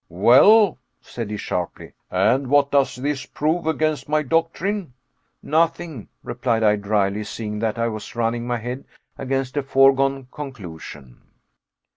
"Well," said he sharply, "and what does this prove against my doctrine?" "Nothing," replied I dryly, seeing that I was running my head against a foregone conclusion.